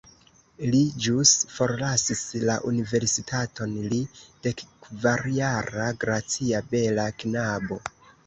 Li ĵus forlasis la universitaton, li, dekkvarjara gracia bela knabo.